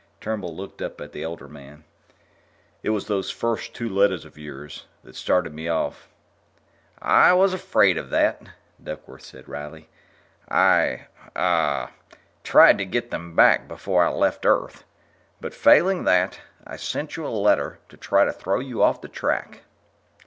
Turnbull looked up at the older man. "It was those first two letters of yours that started me off." "I was afraid of that," Duckworth said wryly. "I ... ah ... tried to get them back before I left Earth, but, failing that, I sent you a letter to try to throw you off the track."